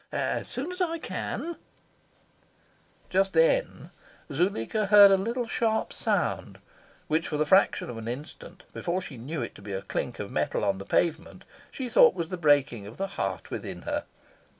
As soon as I can " Just then Zuleika heard a little sharp sound which, for the fraction of an instant, before she knew it to be a clink of metal on the pavement, she thought was the breaking of the heart within her.